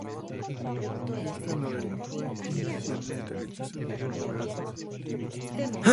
Esta novela fue inicialmente rechazada por numerosas editoriales.